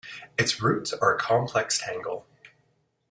Its roots are a complex tangle.